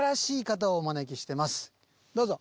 どうぞ。